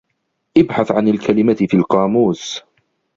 ابحث عن الكلمة في القاموس.